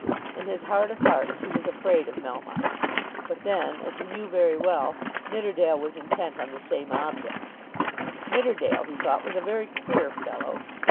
In his heart of hearts he was afraid of Melmotte. But then, as he knew very well, Nidderdale was intent on the same object. Nidderdale, he thought, was a very queer fellow.